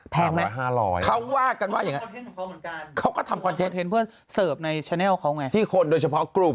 ไหมเขาว่ากันว่าอย่างนั้นเขาก็ทำคอนเทนต์เพื่อนเสิร์ฟในแชนเนลเขาไงที่คนโดยเฉพาะกลุ่ม